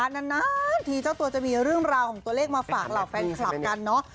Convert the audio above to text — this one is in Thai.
นานทีเจ้าตัวจะมีเรื่องราวของตัวเลขมาฝากเหล่าแฟนคลับกันเนอะ